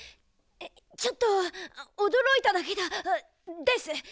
ちょっとおどろいただけだです。